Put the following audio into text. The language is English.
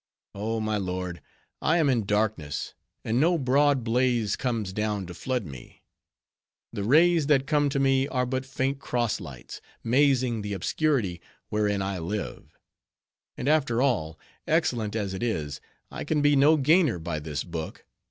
Oh, my lord, I am in darkness, and no broad blaze comes down to flood me. The rays that come to me are but faint cross lights, mazing the obscurity wherein I live. And after all, excellent as it is, I can be no gainer by this book.